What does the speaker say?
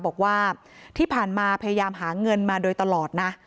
บอกว่าที่ผ่านมาพยายามหาเงินมาโดยตลอดนะ